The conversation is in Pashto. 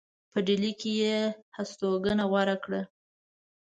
په ډهلي کې یې هستوګنه غوره کړه.